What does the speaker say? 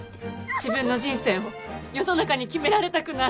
自分の人生を世の中に決められたくない。